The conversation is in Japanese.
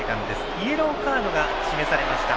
イエローカードが示されました。